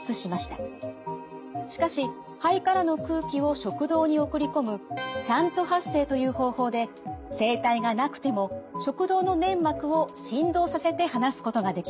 しかし肺からの空気を食道に送り込むシャント発声という方法で声帯がなくても食道の粘膜を振動させて話すことができます。